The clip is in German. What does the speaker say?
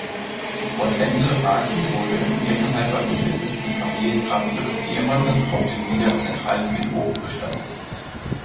Hortense Raky wurde im ehrenhalber gewidmeten Familiengrab ihres Ehemannes auf dem Wiener Zentralfriedhof bestattet.